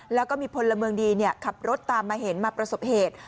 แล้วก็มีพลเมืองดีขับรถตามมาเห็นมาประสบเหตุ